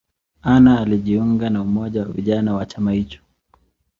Anna alijiunga na umoja wa vijana wa chama hicho.